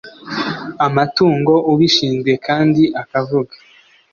amatungo ubishinzwe kandi akavuga